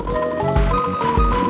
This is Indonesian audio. saya berangkat dulu